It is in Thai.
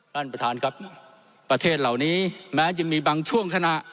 ท่านประธานครับประเทศเหล่านี้แม้จะมีบางช่วงขณะ